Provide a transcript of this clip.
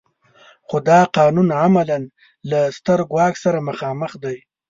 خو دا قانون عملاً له ستر ګواښ سره مخامخ دی.